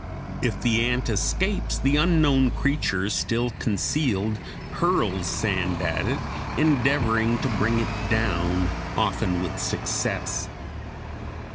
If the ant escapes, the unknown creature, still concealed, hurls sand at it, endeavoring to bring it down, often with success.